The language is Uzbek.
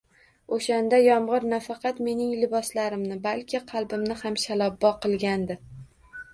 O`shanda yomg`ir nafaqat mening liboslarimni, balki qalbimni ham shallabo qilgandi